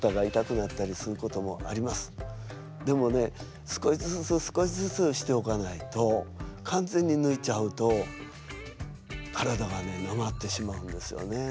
でもね少しずつ少しずつしておかないと完全にぬいちゃうと体がねなまってしまうんですよね。